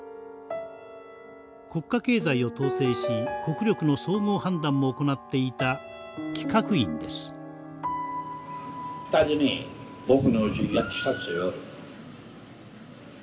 国家経済を統制し国力の総合判断も行っていた戦争か譲歩か。